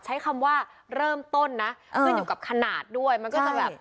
ใช้คำว่าเริ่มต้นนะขึ้นอยู่กับขนาดด้วยมันก็จะแบบ